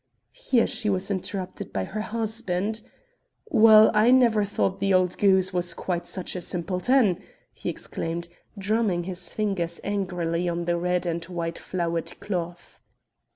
Here she was interrupted by her husband. "Well, I never thought the old goose was quite such a simpleton!" he exclaimed, drumming his fingers angrily on the red and white flowered cloth.